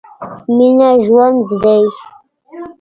مينه ژوند دی.